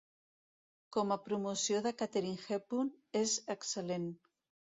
Com a promoció de Katharine Hepburn, és excel·lent.